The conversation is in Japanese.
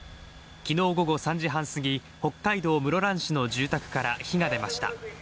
昨日午後３時半すぎ、北海道室蘭市の住宅から火が出ました。